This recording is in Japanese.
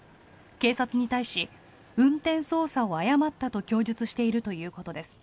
警察に対し運転操作を誤ったと供述しているということです。